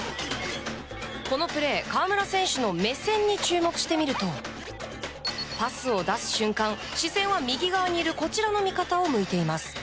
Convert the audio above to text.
このプレー河村選手の目線に注目してみるとパスを出す瞬間、視線は右側にいるこちらの味方を向いています。